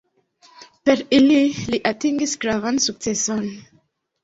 Per ili li atingis gravan sukceson.